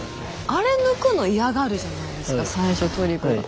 あれ抜くの嫌がるじゃないですか最初トリコが。